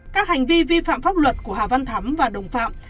các hành vi vi phạm pháp luật của hà văn thắm và đồng phạm